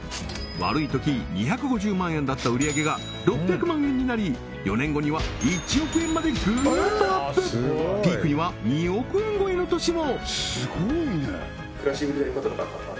悪いとき２５０万円だった売り上げが６００万円になり４年後には１億円までグーンとアップピークには２億円超えの年も！